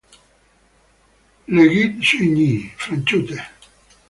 Le Gault-Soigny